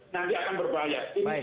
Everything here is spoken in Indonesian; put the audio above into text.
nanti akan berbahaya